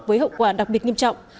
với hậu quả đặc biệt nghiêm trọng